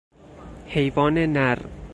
حیوان نر